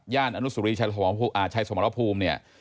ย่านอนุสุริชายสมรภูมิ